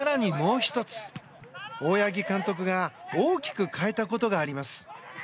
更にもう１つ大八木監督が大きく変えたことがあります。